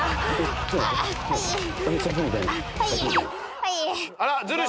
はい。